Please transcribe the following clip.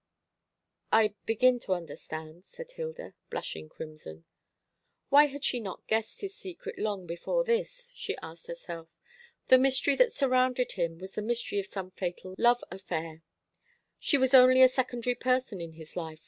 "I begin to understand," said Hilda, blushing crimson. Why had she not guessed his secret long before this? she asked herself. The mystery that surrounded him was the mystery of some fatal love affair. She was only a secondary person in his life.